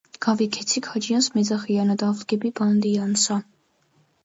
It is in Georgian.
გავიქეცი ქაჯიანს მეძახიან, დავდგები - ბანდიანსა